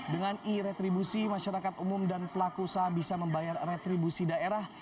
dengan i retribusi masyarakat umum dan pelaku usaha bisa membayar retribusi daerah